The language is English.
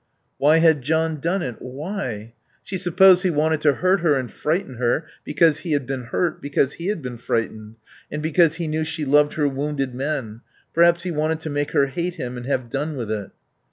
Why had John done it? Why? She supposed he wanted to hurt her and frighten her because he had been hurt, because he had been frightened. And because he knew she loved her wounded men. Perhaps he wanted to make her hate him and have done with it.